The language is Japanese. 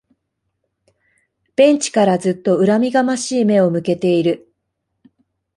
ベンチからずっと恨みがましい目を向けている